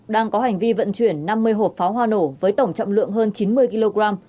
đang có hành vi vận chuyển năm mươi hộp pháo hoa nổ với tổng trọng lượng hơn chín mươi kg